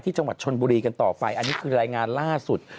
จังหวัดชนบุรีกันต่อไปอันนี้คือรายงานล่าสุด